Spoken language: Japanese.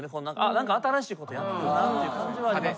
何か新しいことやってるなっていう感じはあります。